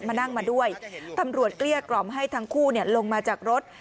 มานั่งมาด้วยตำรวจเกลี้ยกล่อมให้ทั้งคู่ลงมาจากรถ